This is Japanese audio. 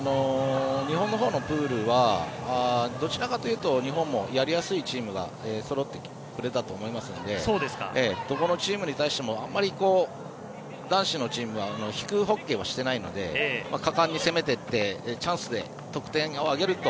日本のほうのプールはどちらかというと日本もやりやすいチームがそろってくれたと思いますのでどこのチームに対してもあまり男子のチームは引くホッケーはしていないので果敢に攻めていってチャンスで得点を挙げると。